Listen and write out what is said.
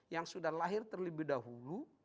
yang sudah lahir terlebih dahulu